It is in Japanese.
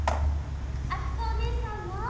あつこおねえさんも！